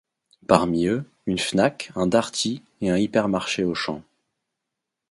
Parmi eux, une Fnac, un Darty et un hypermarché Auchan.